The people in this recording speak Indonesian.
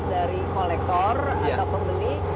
dari kolektor atau pembeli